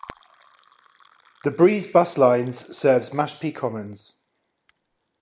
The Breeze bus lines serves Mashpee Commons.